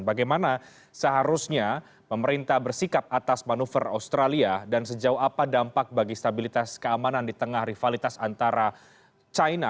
bagaimana seharusnya pemerintah bersikap atas manuver australia dan sejauh apa dampak bagi stabilitas keamanan di tengah rivalitas antara china